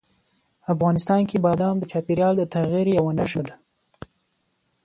افغانستان کې بادام د چاپېریال د تغیر یوه نښه ده.